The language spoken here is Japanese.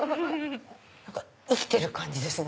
生きてる感じですね。